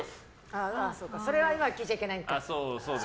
それは聞いちゃいけないよね。